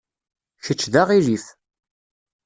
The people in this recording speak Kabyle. Kečč d aɣilif.